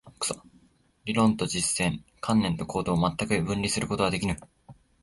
理論と実践、観念と行動を全く分離することはできぬ。